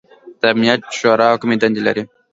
د امنیت شورا کومې دندې لري؟